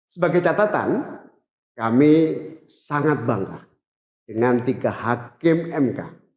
sebagai catatan kami sangat bangga dengan tiga hakim mk